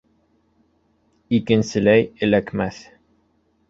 Икенселәй эләкмәҫ.